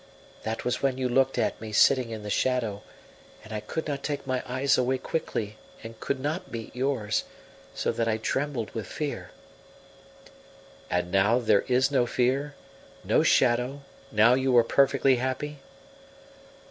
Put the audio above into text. That was when you looked at me sitting in the shadow, and I could not take my eyes away quickly and could not meet yours, so that I trembled with fear." "And now there is no fear no shadow; now you are perfectly happy?"